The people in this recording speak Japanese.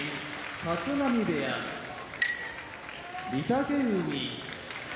立浪部屋御嶽海